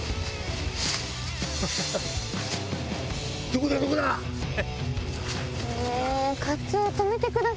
どこだ？